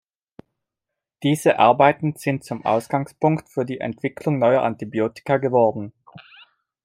Diese Arbeiten sind zum Ausgangspunkt für die Entwicklung neuer Antibiotika geworden.